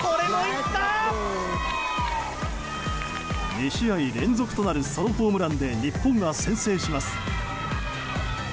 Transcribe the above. ２試合連続となるソロホームランで日本が先制します。